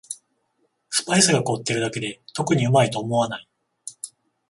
スパイスが凝ってるだけで特にうまいと思わない